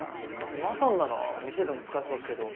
マトンなら店でも使えそうっすけど。